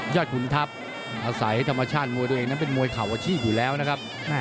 ขุนทัพอาศัยธรรมชาติมวยตัวเองนั้นเป็นมวยเข่าอาชีพอยู่แล้วนะครับ